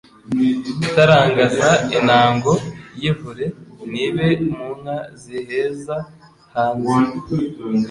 Itarangaza intango y' ivure, Ntibe mu nka ziheza hanze.